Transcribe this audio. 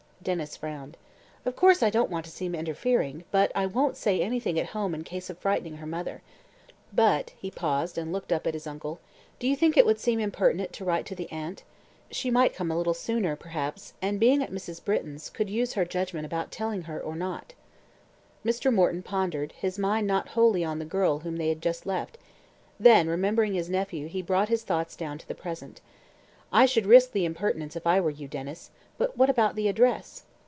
Denys frowned. "Of course I don't want to seem interfering, but I won't say anything at home in case of frightening her mother. But " he paused and looked up at his uncle "do you think it would seem impertinent to write to the aunt? She might come a little sooner, perhaps, and, being at Mrs. Britton's, could use her judgment about telling her or not." Mr. Morton pondered, his mind not wholly on the girl whom they had just left; then remembering his nephew he brought his thoughts down to the present. "I should risk the impertinence if I were you, Denys. But what about the address?"